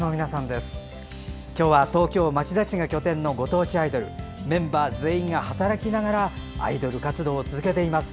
今日は東京・町田市が拠点のご当地アイドルメンバー全員が働きながらアイドル活動を続けています。